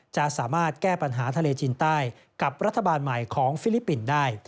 จะสามารถแก้ปัญหาทะเลจีนใต้กับรัฐบาลใหม่ของฟิลิปปินส์ได้